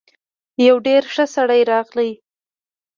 يو ډېر ښه سړی راغی.